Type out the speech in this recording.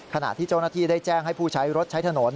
ขณะที่เจ้าหน้าที่ได้แจ้งให้ผู้ใช้รถใช้ถนน